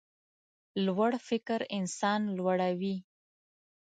لوړ فکر انسان لوړوي.